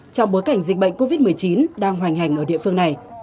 trong bối cảnh dịch bệnh covid một mươi chín đang hoành hành ở địa phương này